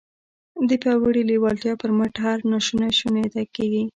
د پياوړې لېوالتیا پر مټ هر ناشونی شونی کېږي.